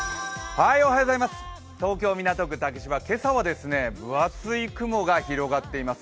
東京・港区竹芝、今朝は分厚い雲が広がっています。